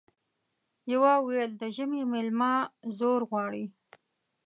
يوه ويل د ژمي ميلمه زور غواړي ،